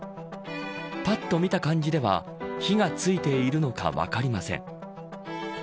ぱっと見た感じでは火が付いているのか分かりません。